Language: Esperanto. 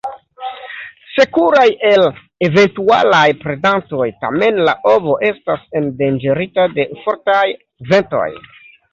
Sekuraj el eventualaj predantoj, tamen la ovo estas endanĝerita de fortaj ventoj.